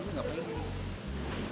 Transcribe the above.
gua ga pengen